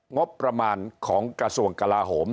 งบประมาณของกระทรวงกลาโหม